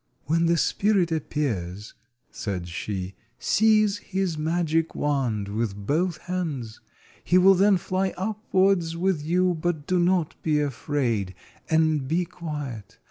"When the spirit appears," said she, "seize his magic wand with both hands. He will then fly upwards with you, but do not be afraid, and be quiet.